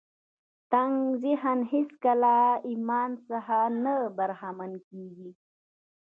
تنګ ذهن هېڅکله له ايمان څخه نه برخمن کېږي.